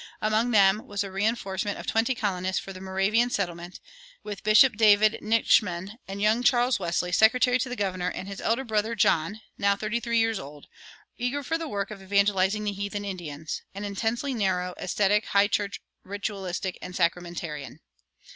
Among them was a reinforcement of twenty colonists for the Moravian settlement, with Bishop David Nitschmann, and young Charles Wesley, secretary to the governor, and his elder brother, John, now thirty three years old, eager for the work of evangelizing the heathen Indians an intensely narrow, ascetic, High church ritualist and sacramentarian.